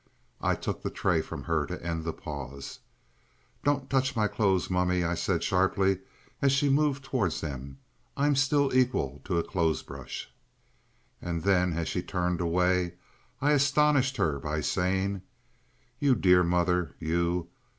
I took the tray from her to end the pause. "Don't touch my clothes, mummy," I said sharply, as she moved towards them. "I'm still equal to a clothes brush." And then, as she turned away, I astonished her by saying, "You dear mother, you!